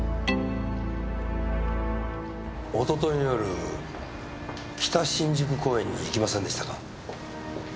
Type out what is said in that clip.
おとといの夜北新宿公園に行きませんでしたか？